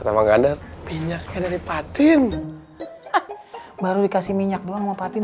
juga kan waktu itu dikasih minyak haja abas